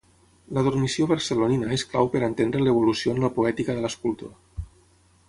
La Dormició barcelonina és clau per entendre l'evolució en la poètica de l'escultor.